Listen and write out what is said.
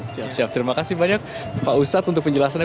siap siap terima kasih banyak pak ustadz untuk penjelasannya